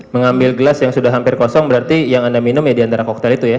mengambil gelas yang sudah hampir kosong berarti yang anda minum ya di antara koktel itu ya